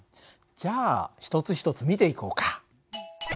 じゃあ一つ一つ見ていこうか。